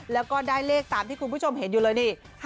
แล้วก็ได้เลขตามที่คุณผู้ชมเห็นอยู่เลยนี่